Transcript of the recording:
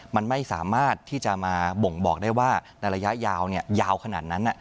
มันไม่สามารถที่จะมาบ่งบอกได้ว่าในระยะยาวยาวขนาดนั้น